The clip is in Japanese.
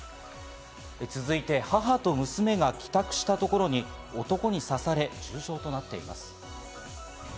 続いて、母と娘が帰宅したところに男に刺され重傷となっています。